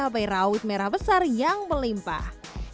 cabai rawit merah besar yang melimpah